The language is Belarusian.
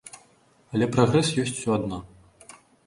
Але прагрэс ёсць усё адно.